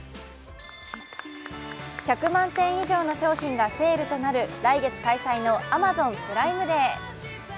１００万点以上の商品がセールとなる来月開催のＡｍａｚｏｎプライムデー。